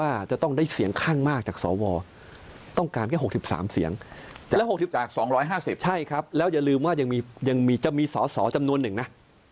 อ่าเดี๋ยวท่านฟังหลังจบไทยรัฐนิวโชว์นะ